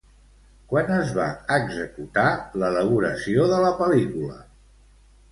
Quan es va executar l'elaboració de la pel·lícula?